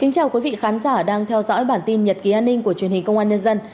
chào mừng quý vị đến với bản tin nhật ký an ninh của truyền hình công an nhân dân